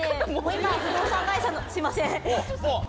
今は不動産会社のすいません。